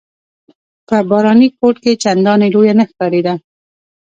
په باراني کوټ کې چنداني لویه نه ښکارېده.